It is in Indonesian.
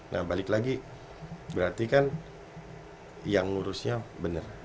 nah balik lagi berarti kan yang ngurusnya benar